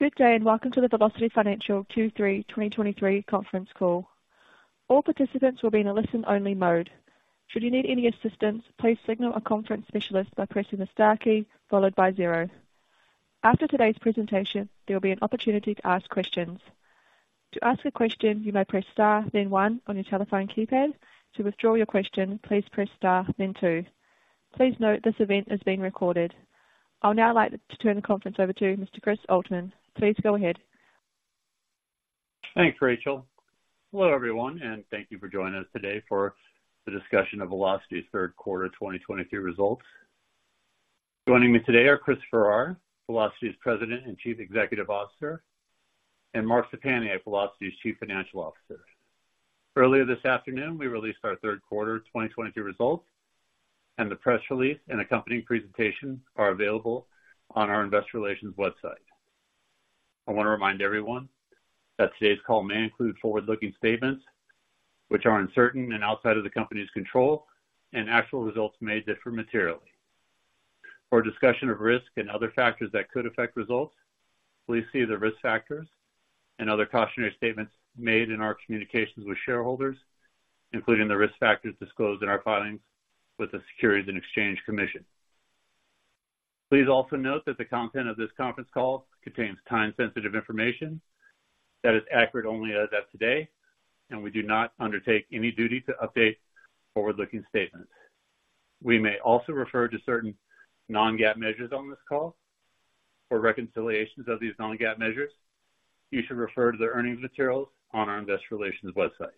Good day, and welcome to the Velocity Financial Q3 2023 conference call. All participants will be in a listen-only mode. Should you need any assistance, please signal a conference specialist by pressing the star key followed by zero. After today's presentation, there will be an opportunity to ask questions. To ask a question, you may press star, then one on your telephone keypad. To withdraw your question, please press star then two. Please note, this event is being recorded. I'll now like to turn the conference over to Mr. Chris Oltmann. Please go ahead. Thanks, Rachel. Hello, everyone, and thank you for joining us today for the discussion of Velocity's third quarter 2023 results. Joining me today are Chris Farrar, Velocity's President and Chief Executive Officer, and Mark Szczepaniak, Velocity's Chief Financial Officer. Earlier this afternoon, we released our third quarter 2023 results, and the press release and accompanying presentation are available on our investor relations website. I want to remind everyone that today's call may include forward-looking statements which are uncertain and outside of the company's control, and actual results may differ materially. For a discussion of risks and other factors that could affect results, please see the risk factors and other cautionary statements made in our communications with shareholders, including the risk factors disclosed in our filings with the Securities and Exchange Commission. Please also note that the content of this conference call contains time-sensitive information that is accurate only as of today, and we do not undertake any duty to update forward-looking statements. We may also refer to certain non-GAAP measures on this call. For reconciliations of these non-GAAP measures, you should refer to the earnings materials on our investor relations website.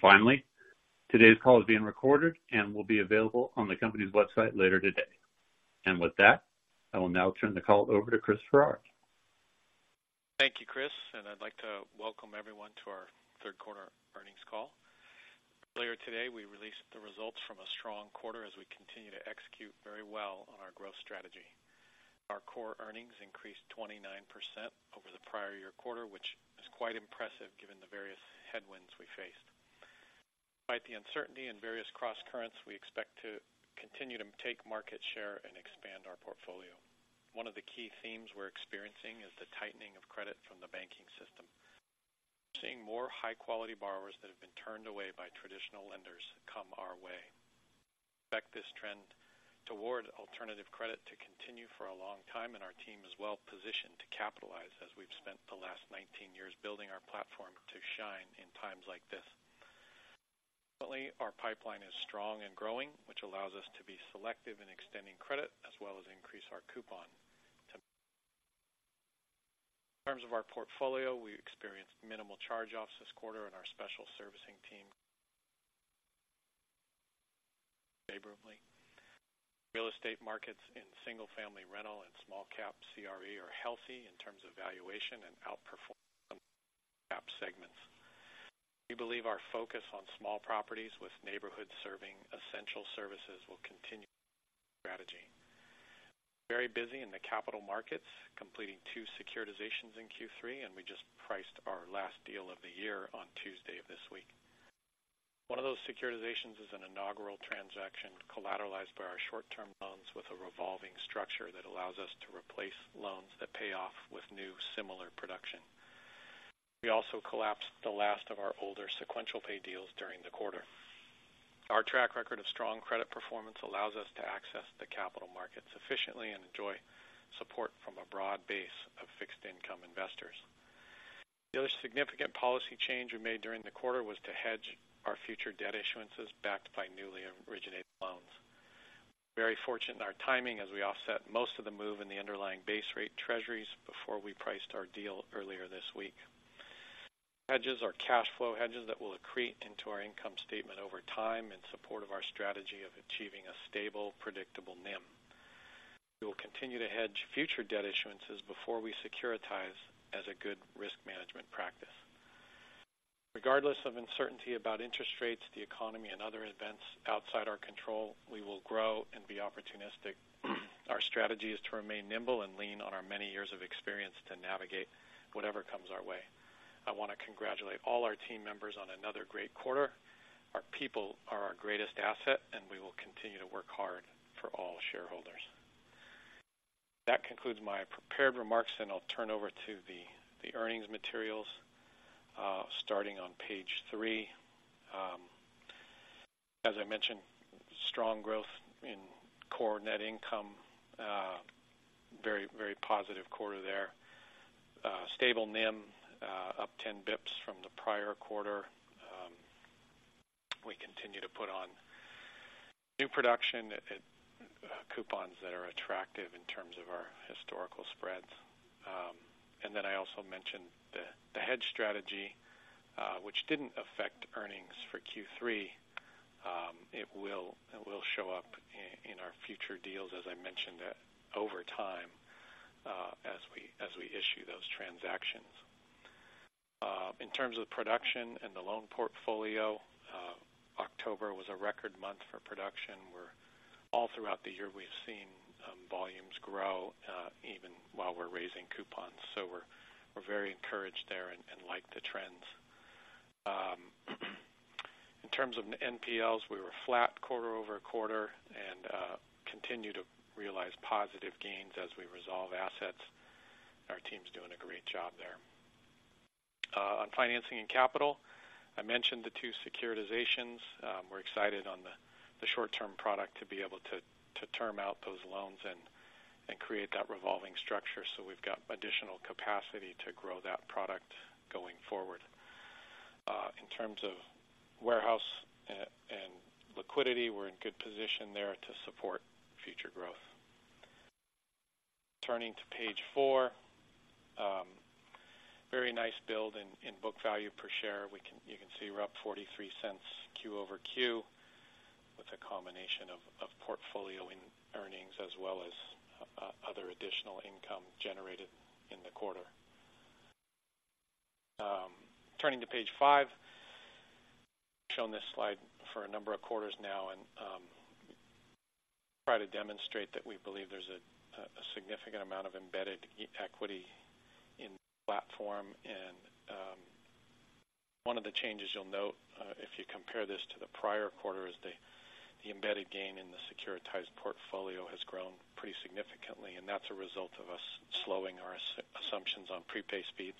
Finally, today's call is being recorded and will be available on the company's website later today. With that, I will now turn the call over to Chris Farrar. Thank you, Chris, and I'd like to welcome everyone to our third quarter earnings call. Earlier today, we released the results from a strong quarter as we continue to execute very well on our growth strategy. Our core earnings increased 29% over the prior year quarter, which is quite impressive given the various headwinds we faced. Despite the uncertainty and various crosscurrents, we expect to continue to take market share and expand our portfolio. One of the key themes we're experiencing is the tightening of credit from the banking system. We're seeing more high-quality borrowers that have been turned away by traditional lenders come our way. We expect this trend toward alternative credit to continue for a long time, and our team is well positioned to capitalize as we've spent the last 19 years building our platform to shine in times like this. Currently, our pipeline is strong and growing, which allows us to be selective in extending credit as well as increase our coupon. In terms of our portfolio, we experienced minimal charge-offs this quarter, and our special servicing team performed favorably. Real estate markets in single-family rental and small cap CRE are healthy in terms of valuation and outperforming cap segments. We believe our focus on small properties with neighborhood-serving essential services will continue to be our strategy. Very busy in the capital markets, completing two securitizations in Q3, and we just priced our last deal of the year on Tuesday of this week. One of those securitizations is an inaugural transaction collateralized by our short-term loans with a revolving structure that allows us to replace loans that pay off with new, similar production. We also collapsed the last of our older sequential pay deals during the quarter. Our track record of strong credit performance allows us to access the capital markets efficiently and enjoy support from a broad base of fixed income investors. The other significant policy change we made during the quarter was to hedge our future debt issuances backed by newly originated loans. Very fortunate in our timing as we offset most of the move in the underlying base rate Treasuries before we priced our deal earlier this week. Hedges are cash flow hedges that will accrete into our income statement over time in support of our strategy of achieving a stable, predictable NIM. We will continue to hedge future debt issuances before we securitize as a good risk management practice. Regardless of uncertainty about interest rates, the economy, and other events outside our control, we will grow and be opportunistic. Our strategy is to remain nimble and lean on our many years of experience to navigate whatever comes our way. I want to congratulate all our team members on another great quarter. Our people are our greatest asset, and we will continue to work hard for all shareholders. That concludes my prepared remarks, and I'll turn over to the earnings materials, starting on page 3. As I mentioned, strong growth in core net income. Very, very positive quarter there. Stable NIM, up 10 bps from the prior quarter. We continue to put on new production at coupons that are attractive in terms of our historical spreads. And then I also mentioned the hedge strategy, which didn't affect earnings for Q3. It will show up in our future deals, as I mentioned, over time, as we issue those transactions. In terms of production and the loan portfolio, October was a record month for production, where all throughout the year, we've seen volumes grow, even while we're raising coupons. So we're very encouraged there and like the trends. In terms of NPLs, we were flat quarter-over-quarter and continue to realize positive gains as we resolve assets. Our team's doing a great job there. On financing and capital, I mentioned the two securitizations. We're excited on the short-term product to be able to term out those loans and create that revolving structure. So we've got additional capacity to grow that product going forward. In terms of warehouse and liquidity, we're in good position there to support future growth. Turning to page 4, very nice build in book value per share. We can. You can see we're up $0.43 Q-over-Q, with a combination of portfolio in earnings as well as other additional income generated in the quarter. Turning to page 5, shown this slide for a number of quarters now, and try to demonstrate that we believe there's a significant amount of embedded equity in platform. One of the changes you'll note, if you compare this to the prior quarter, is the embedded gain in the securitized portfolio has grown pretty significantly, and that's a result of us slowing our assumptions on prepay speeds.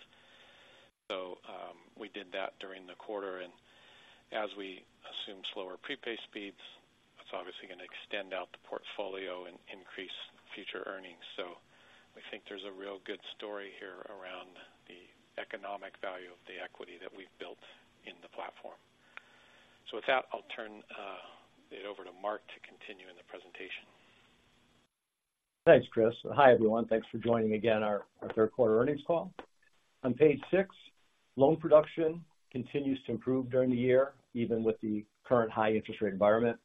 So, we did that during the quarter, and as we assume slower prepay speeds, that's obviously going to extend out the portfolio and increase future earnings. So we think there's a real good story here around the economic value of the equity that we've built in the platform. So with that, I'll turn it over to Mark to continue in the presentation. Thanks, Chris. Hi, everyone. Thanks for joining again our third quarter earnings call. On page 6, loan production continues to improve during the year, even with the current high interest rate environment.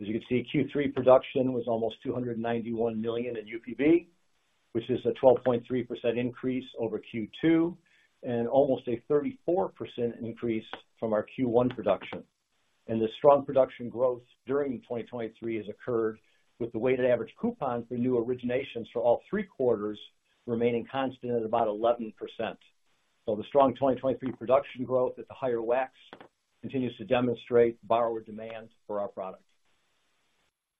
As you can see, Q3 production was almost $291 million in UPB, which is a 12.3% increase over Q2, and almost a 34% increase from our Q1 production. And the strong production growth during 2023 has occurred with the weighted average coupon for new originations for all three quarters remaining constant at about 11%. So the strong 2023 production growth at the higher WAC continues to demonstrate borrower demand for our product.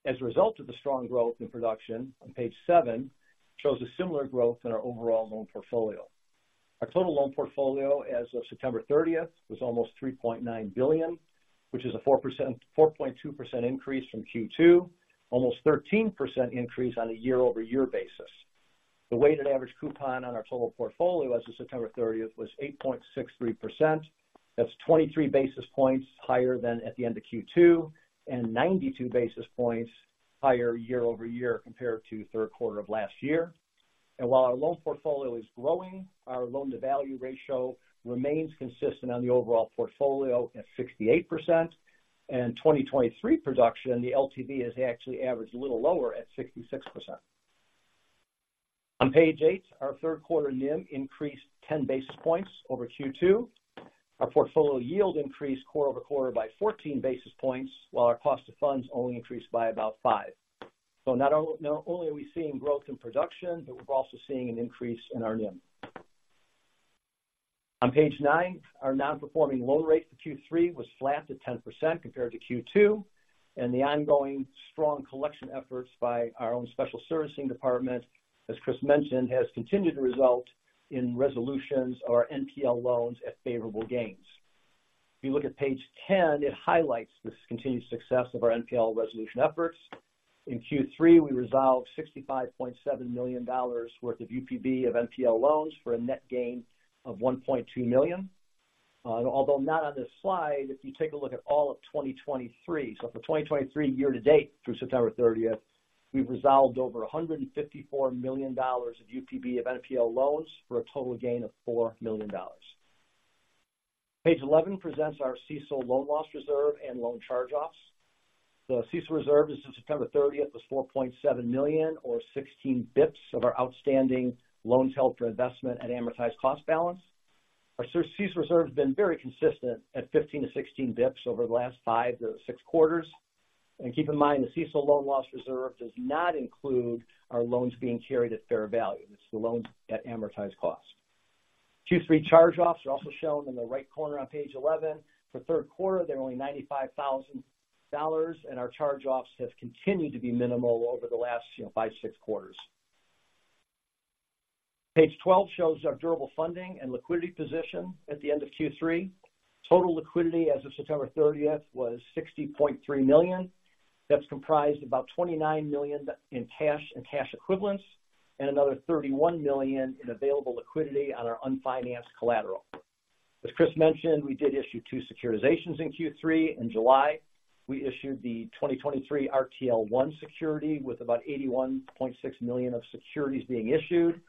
As a result of the strong growth in production, on page 7 shows a similar growth in our overall loan portfolio. Our total loan portfolio as of September 30th was almost $3.9 billion, which is a 4.2% increase from Q2, almost 13% increase on a year-over-year basis. The weighted average coupon on our total portfolio as of September 30 was 8.63%. That's 23 basis points higher than at the end of Q2, and 92 basis points higher year-over-year compared to third quarter of last year. While our loan portfolio is growing, our loan-to-value ratio remains consistent on the overall portfolio at 68%. In 2023 production, the LTV has actually averaged a little lower at 66%. On page 8, our third quarter NIM increased 10 basis points over Q2. Our portfolio yield increased quarter-over-quarter by 14 basis points, while our cost of funds only increased by about 5. So not only are we seeing growth in production, but we're also seeing an increase in our NIM. On page 9, our non-performing loan rate for Q3 was flat at 10% compared to Q2, and the ongoing strong collection efforts by our own special servicing department, as Chris mentioned, has continued to result in resolutions of our NPL loans at favorable gains. If you look at page 10, it highlights this continued success of our NPL resolution efforts. In Q3, we resolved $65.7 million worth of UPB of NPL loans for a net gain of $1.2 million. Although not on this slide, if you take a look at all of 2023, so for 2023, year to date through September 30th, we've resolved over $154 million of UPB of NPL loans for a total gain of $4 million. Page 11 presents our CECL loan loss reserve and loan charge-offs. The CECL reserve as of September 30th was $4.7 million, or 16 BPS of our outstanding loans held for investment at amortized cost balance. Our CECL reserve has been very consistent at 15-16 BPS over the last 5-6 quarters. And keep in mind, the CECL loan loss reserve does not include our loans being carried at fair value. It's the loans at amortized cost. Q3 charge-offs are also shown in the right corner on page 11. For third quarter, they're only $95,000, and our charge-offs have continued to be minimal over the last, you know, five, six quarters. Page 12 shows our durable funding and liquidity position at the end of Q3. Total liquidity as of September 30 was $60.3 million. That's comprised about $29 million in cash and cash equivalents, and another $31 million in available liquidity on our unfinanced collateral. As Chris mentioned, we did issue two securitizations in Q3. In July, we issued the 2023-RTL 1 security, with about $81.6 million of securities being issued.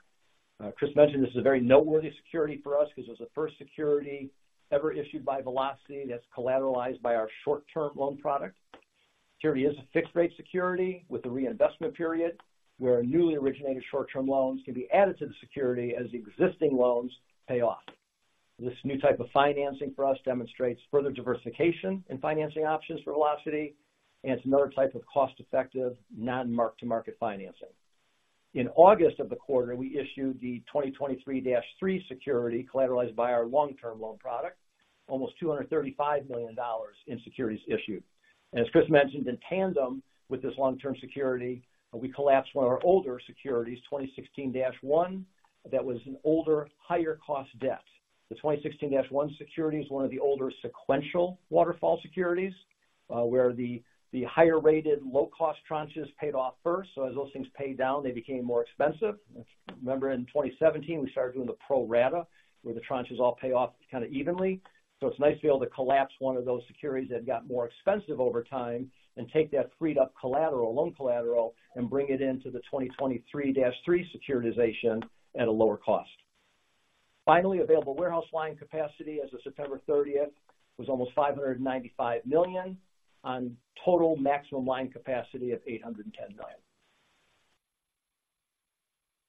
Chris mentioned this is a very noteworthy security for us because it's the first security ever issued by Velocity that's collateralized by our short-term loan product. Security is a fixed-rate security with a reinvestment period, where our newly originated short-term loans can be added to the security as the existing loans pay off. This new type of financing for us demonstrates further diversification and financing options for Velocity, and it's another type of cost-effective, non-mark to market financing. In August of the quarter, we issued the 2023-3 security, collateralized by our long-term loan product, almost $235 million in securities issued. And as Chris mentioned, in tandem with this long-term security, we collapsed one of our older securities, 2016-1, that was an older, higher cost debt. The 2016-1 security is one of the older sequential waterfall securities, where the higher-rated, low-cost tranches paid off first. So as those things paid down, they became more expensive. Remember, in 2017, we started doing the pro rata, where the tranches all pay off kind of evenly. So it's nice to be able to collapse one of those securities that got more expensive over time and take that freed up collateral, loan collateral, and bring it into the 2023-3 securitization at a lower cost. Finally, available warehouse line capacity as of September 30th was almost $595 million on total maximum line capacity of $810 million.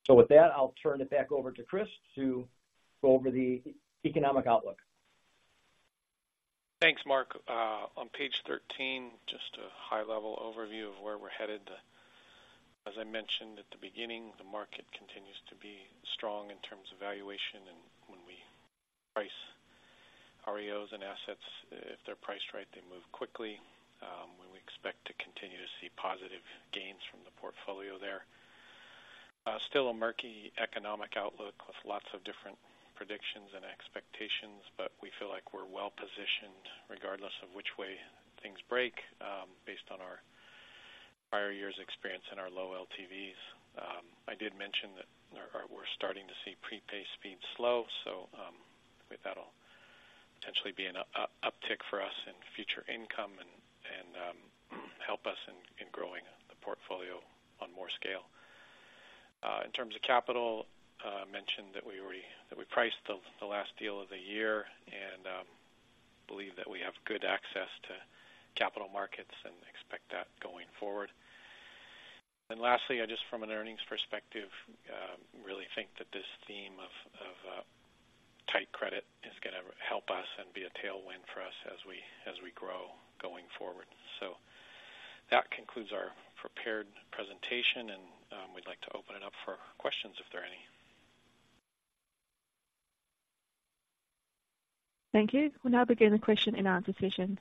So with that, I'll turn it back over to Chris to go over the economic outlook. Thanks, Mark. On page 13, just a high-level overview of where we're headed. As I mentioned at the beginning, the market continues to be strong in terms of valuation, and when we price REOs and assets, if they're priced right, they move quickly. We expect to continue to see positive gains from the portfolio there. Still a murky economic outlook with lots of different predictions and expectations, but we feel like we're well positioned regardless of which way things break, based on our prior years' experience and our low LTVs. I did mention that we're starting to see prepay speeds slow, so that'll potentially be an uptick for us in future income and help us in growing the portfolio on more scale. In terms of capital, I mentioned that we already priced the last deal of the year and believe that we have good access to capital markets and expect that going forward. And lastly, just from an earnings perspective, really think that this theme of tight credit is going to help us and be a tailwind for us as we grow going forward. So that concludes our prepared presentation, and we'd like to open it up for questions, if there are any. Thank you. We'll now begin the question and answer session.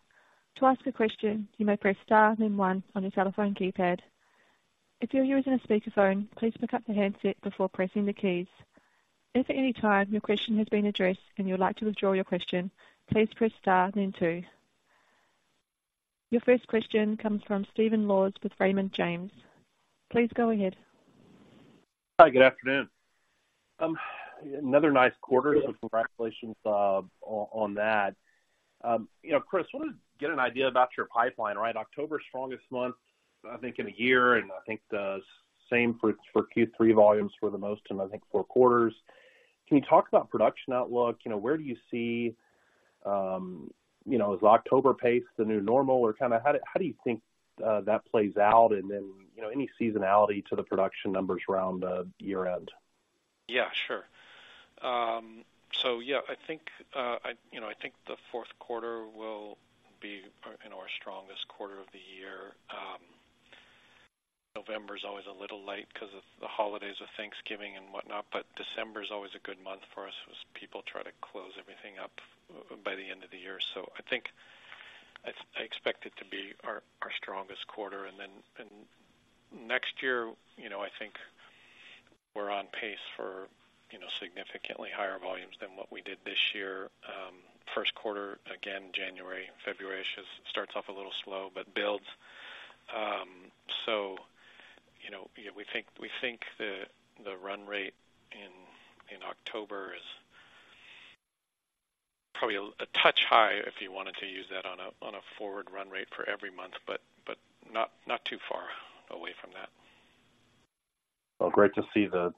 To ask a question, you may press star then one on your telephone keypad. If you're using a speakerphone, please pick up the handset before pressing the keys. If at any time your question has been addressed and you would like to withdraw your question, please press star then two. Your first question comes from Stephen Laws with Raymond James. Please go ahead. Hi, good afternoon. Another nice quarter, so congratulations, on, on that. You know, Chris, wanted to get an idea about your pipeline, right? October, strongest month, I think, in a year, and I think the same for, for Q3 volumes for the most, I think, four quarters. Can you talk about production outlook? You know, where do you see, you know... Is October pace the new normal, or kind of how do you think, that plays out? And then, you know, any seasonality to the production numbers around, year-end? Yeah, sure. So yeah, I think, I, you know, I think the fourth quarter will be, you know, our strongest quarter of the year. November is always a little light because of the holidays of Thanksgiving and whatnot, but December is always a good month for us as people try to close everything up by the end of the year. So I think I, I expect it to be our, our strongest quarter. And then, and next year, you know, I think we're on pace for, you know, significantly higher volumes than what we did this year. First quarter, again, January, February, just starts off a little slow, but builds. So, you know, we think the run rate in October is probably a touch high, if you wanted to use that on a forward run rate for every month, but not too far away from that. Well, great to see the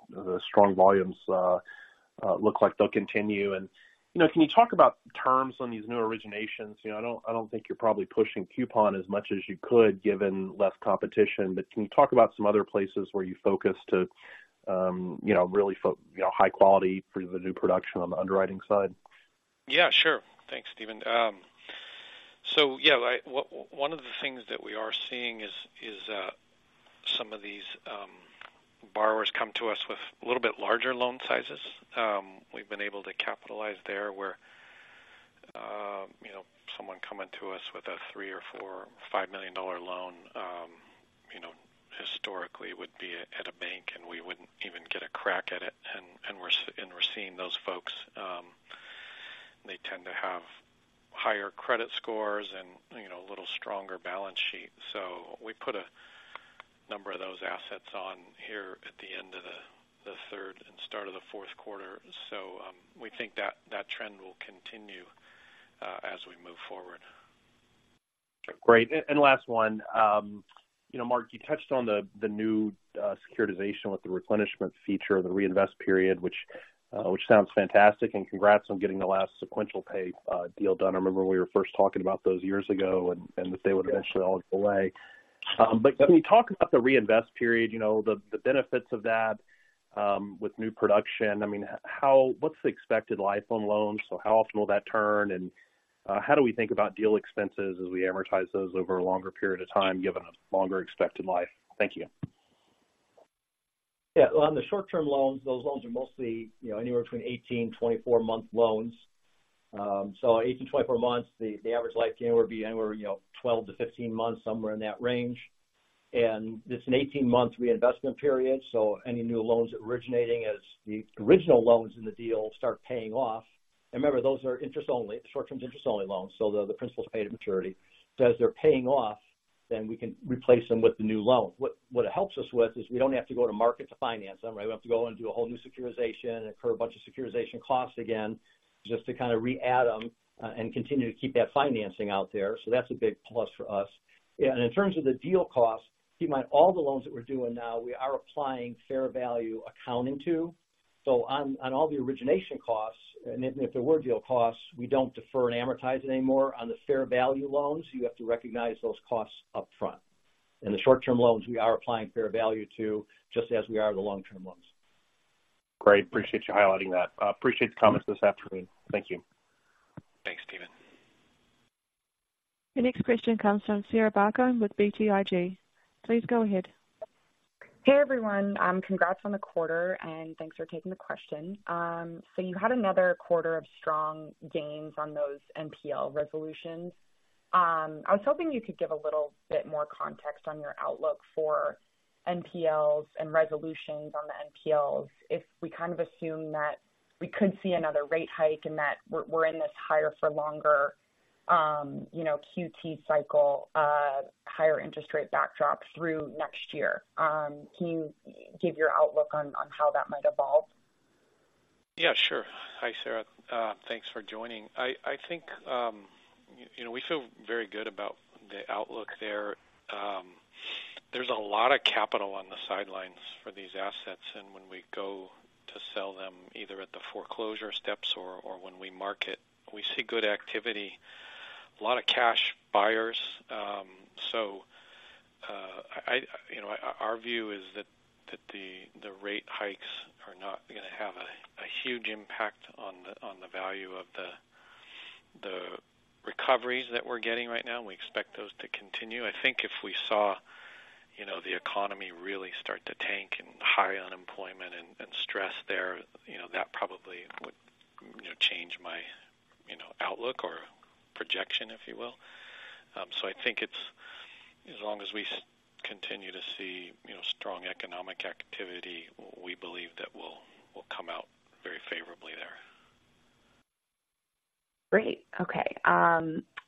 strong volumes look like they'll continue. You know, can you talk about terms on these new originations? You know, I don't, I don't think you're probably pushing coupon as much as you could, given less competition, but can you talk about some other places where you focus to, you know, really you know, high quality for the new production on the underwriting side? Yeah, sure. Thanks, Stephen. So yeah, one of the things that we are seeing is some of these borrowers come to us with a little bit larger loan sizes. We've been able to capitalize there, where you know, someone coming to us with a $3-$5 million loan, you know, historically would be at a bank, and we wouldn't even get a crack at it. And we're seeing those folks. They tend to have higher credit scores and, you know, a little stronger balance sheet. So we put a number of those assets on here at the end of the third and start of the fourth quarter. So we think that trend will continue as we move forward. Great. And last one. You know, Mark, you touched on the new securitization with the replenishment feature, the reinvest period, which sounds fantastic, and congrats on getting the last sequential pay deal done. I remember when we were first talking about those years ago, and that they would eventually all go away. But can you talk about the reinvest period, you know, the benefits of that with new production? I mean, how—what's the expected life on loans? So how often will that turn, and how do we think about deal expenses as we amortize those over a longer period of time, given a longer expected life? Thank you. Yeah. On the short-term loans, those loans are mostly, you know, anywhere between 18-24 month loans. So 18-24 months, the average life could be anywhere, you know, 12-15 months, somewhere in that range. And it's an 18-month reinvestment period, so any new loans originating as the original loans in the deal start paying off. And remember, those are interest-only, short-term, interest-only loans, so the principal is paid at maturity. So as they're paying off, then we can replace them with the new loan. What it helps us with is we don't have to go to market to finance them, or we have to go and do a whole new securitization, incur a bunch of securitization costs again, just to kind of re-add them, and continue to keep that financing out there. So that's a big plus for us. Yeah, and in terms of the deal costs, keep in mind, all the loans that we're doing now, we are applying fair value accounting to. So on, on all the origination costs, and if, if there were deal costs, we don't defer and amortize it anymore. On the fair value loans, you have to recognize those costs upfront. And the short-term loans, we are applying fair value to, just as we are the long-term loans. Great. Appreciate you highlighting that. Appreciate the comments this afternoon. Thank you. Thanks, Stephen. The next question comes from Sarah Barcomb with BTIG. Please go ahead. Hey, everyone. Congrats on the quarter, and thanks for taking the question. So you had another quarter of strong gains on those NPL resolutions. I was hoping you could give a little bit more context on your outlook for NPLs and resolutions on the NPLs. If we kind of assume that we could see another rate hike and that we're in this higher for longer, you know, QT cycle, higher interest rate backdrop through next year. Can you give your outlook on how that might evolve? Yeah, sure. Hi, Sarah. Thanks for joining. I think, you know, we feel very good about the outlook there. There's a lot of capital on the sidelines for these assets, and when we go to sell them, either at the foreclosure steps or when we market, we see good activity. A lot of cash buyers. So, you know, our view is that the rate hikes are not going to have a huge impact on the value of the recoveries that we're getting right now, and we expect those to continue. I think if we saw, you know, the economy really start to tank and high unemployment and stress there, you know, that probably would change my outlook or projection, if you will. So, I think it's as long as we continue to see, you know, strong economic activity, we believe that we'll, we'll come out very favorably there. Great. Okay.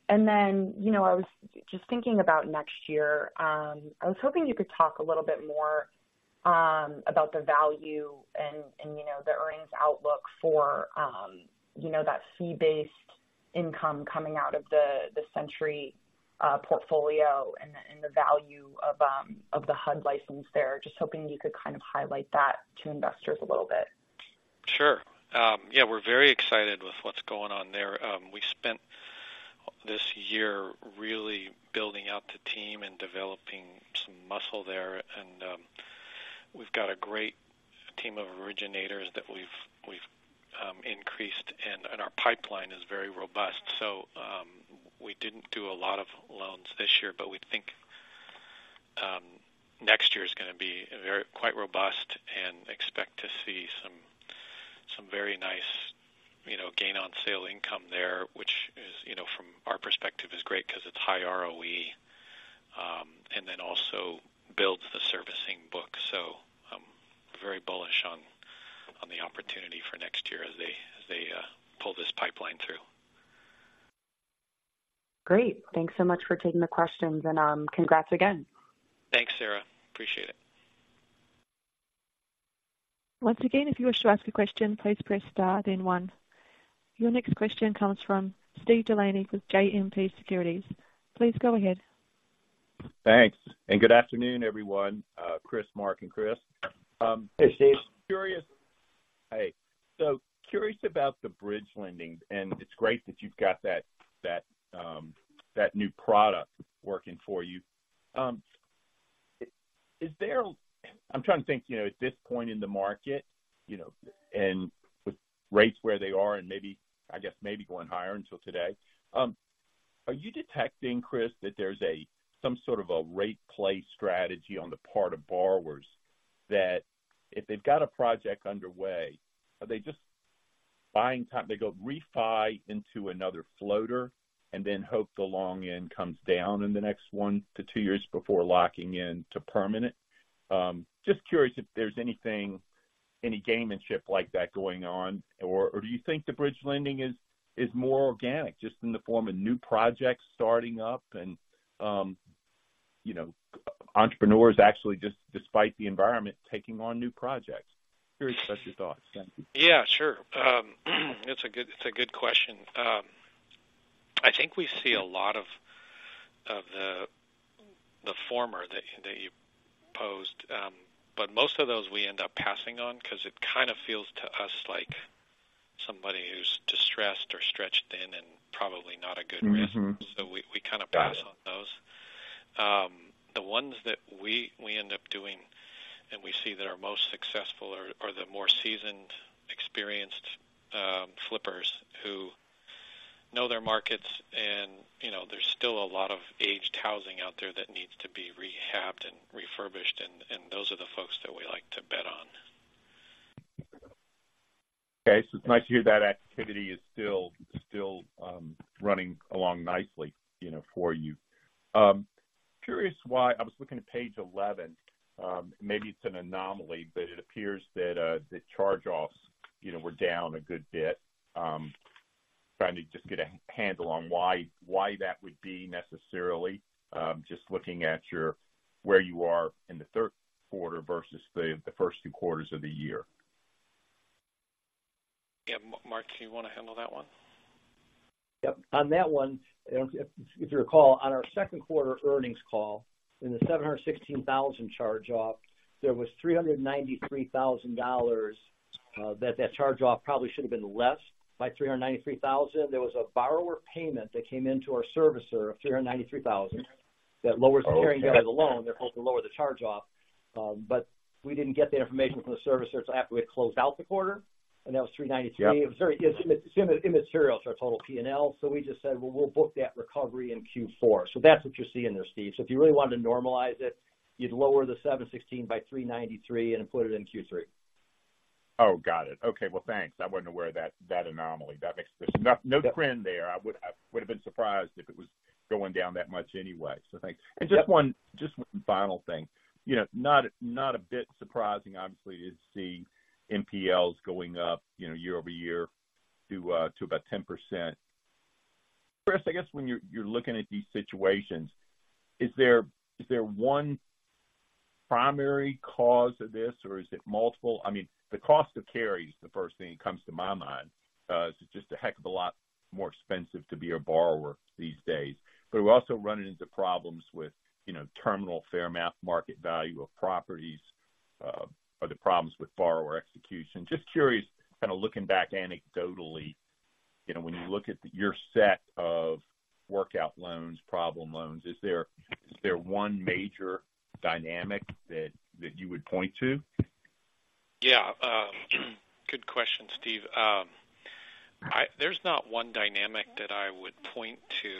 And then, you know, I was just thinking about next year. I was hoping you could talk a little bit more about the value and, you know, the earnings outlook for, you know, that fee-based income coming out of the Century portfolio and the value of the HUD license there. Just hoping you could kind of highlight that to investors a little bit. Sure. Yeah, we're very excited with what's going on there. We spent this year really building out the team and developing some muscle there, and we've got a great team of originators that we've increased, and our pipeline is very robust. So, we didn't do a lot of loans this year, but we think next year is going to be very quite robust and expect to see some very nice, you know, gain on sale income there, which is, you know, from our perspective, is great because it's high ROE, and then also builds the servicing book. So, I'm very bullish on the opportunity for next year as they pull this pipeline through. Great. Thanks so much for taking the questions, and congrats again. Thanks, Sarah. Appreciate it. Once again, if you wish to ask a question, please press star, then one. Your next question comes from Steve Delaney with JMP Securities. Please go ahead. Thanks, and good afternoon, everyone, Chris, Mark, and Chris. Hey, Steve. Curious. Hey, so curious about the bridge lending, and it's great that you've got that new product working for you. Is there... I'm trying to think, you know, at this point in the market, you know, and with rates where they are and maybe, I guess, maybe going higher until today. Are you detecting, Chris, that there's some sort of a rate play strategy on the part of borrowers, that if they've got a project underway, are they just buying time? They go refi into another floater and then hope the long end comes down in the next 1-2 years before locking in to permanent. Just curious if there's anything, any gamesmanship like that going on, or do you think the bridge lending is more organic, just in the form of new projects starting up and, you know, entrepreneurs actually, just despite the environment, taking on new projects? Curious about your thoughts. Thank you. Yeah, sure. It's a good question. I think we see a lot of the former that you posed. But most of those we end up passing on because it kind of feels to us like somebody who's distressed or stretched thin and probably not a good risk. Mm-hmm. So we kind of pass on. The ones that we end up doing and we see that are most successful are the more seasoned, experienced, flippers who know their markets. And, you know, there's still a lot of aged housing out there that needs to be rehabbed and refurbished, and those are the folks that we like to bet on. Okay. So it's nice to hear that activity is still running along nicely, you know, for you. Curious why—I was looking at page 11. Maybe it's an anomaly, but it appears that the charge-offs, you know, were down a good bit. Trying to just get a handle on why, why that would be necessarily, just looking at your—where you are in the third quarter versus the first two quarters of the year. Yeah. Mark, do you want to handle that one? Yep. On that one, if you recall, on our second quarter earnings call, in the $716,000 charge-off, there was $393,000, that charge-off probably should have been less by $393,000. There was a borrower payment that came into our servicer of $393,000. That lowers the carrying value of the loan, therefore, it lower the charge-off. But we didn't get the information from the servicer until after we had closed out the quarter, and that was $393,000. Yep. It was very, it's immaterial to our total P&L, so we just said, "Well, we'll book that recovery in Q4." So that's what you're seeing there, Steve. So if you really wanted to normalize it, you'd lower the $716 by $393 and put it in Q3. Oh, got it. Okay, well, thanks. I wasn't aware of that, that anomaly. That makes- Yep. No trend there. I would, I would've been surprised if it was going down that much anyway, so thanks. Yep. Just one final thing. You know, not a bit surprising, obviously, to see NPLs going up, you know, year-over-year to about 10%. Chris, I guess when you're looking at these situations, is there one primary cause of this, or is it multiple? I mean, the cost of carry is the first thing that comes to my mind. It's just a heck of a lot more expensive to be a borrower these days. But we're also running into problems with, you know, the rental fair market value of properties, or the problems with borrower execution. Just curious, kind of looking back anecdotally, you know, when you look at your set of workout loans, problem loans, is there one major dynamic that you would point to? Yeah. Good question, Steve. There's not one dynamic that I would point to.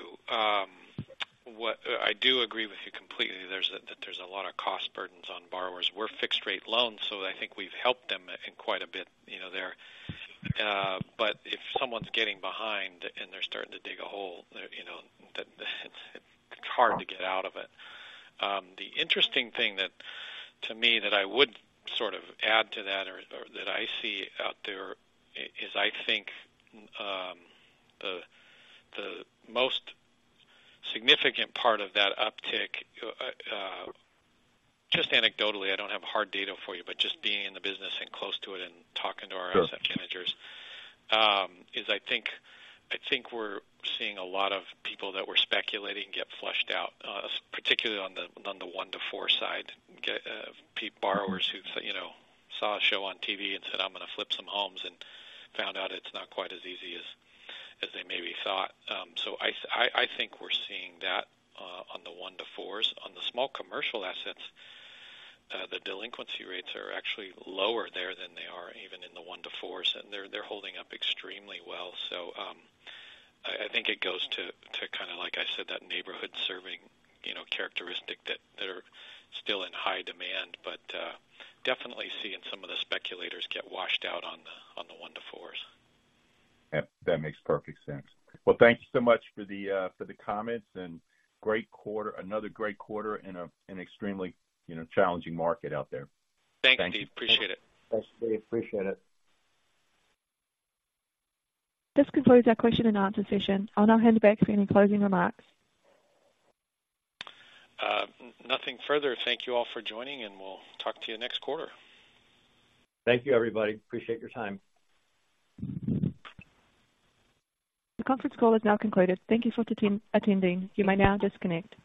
I do agree with you completely there's, that there's a lot of cost burdens on borrowers. We're fixed-rate loans, so I think we've helped them in quite a bit, you know, there. But if someone's getting behind and they're starting to dig a hole, you know, that it's hard to get out of it. The interesting thing that, to me, that I would sort of add to that or, or that I see out there is I think, the, the most significant part of that uptick, just anecdotally, I don't have hard data for you. But just being in the business and close to it and talking to our asset managers, is I think, I think we're seeing a lot of people that were speculating get flushed out, particularly on the, on the 1-4 side. Borrowers who, you know, saw a show on TV and said, "I'm gonna flip some homes," and found out it's not quite as easy as they maybe thought. So I think we're seeing that, on the 1-4s. On the small commercial assets, the delinquency rates are actually lower there than they are even in the 1-4s, and they're holding up extremely well. So, I think it goes to, to kind of, like I said, that neighborhood serving, you know, characteristic that they're still in high demand. Definitely seeing some of the speculators get washed out on the one-to-fours. Yep, that makes perfect sense. Well, thank you so much for the, for the comments, and great quarter. Another great quarter in an extremely, you know, challenging market out there. Thanks, Steve. Appreciate it. Thanks, Steve. Appreciate it. This concludes our question and answer session. I'll now hand it back for any closing remarks. Nothing further. Thank you all for joining, and we'll talk to you next quarter. Thank you, everybody. Appreciate your time. The conference call is now concluded. Thank you for attending. You may now disconnect.